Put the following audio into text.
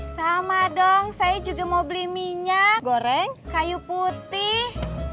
sama dong saya juga mau beli minyak goreng kayu putih